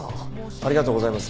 ありがとうございます。